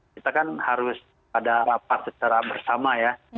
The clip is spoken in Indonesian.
kita kan harus pada rapat secara bersama